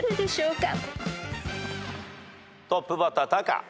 トップバッタータカ。